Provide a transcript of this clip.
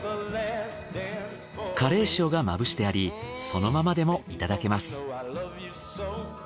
カレー塩がまぶしてありそのままでもいただけます。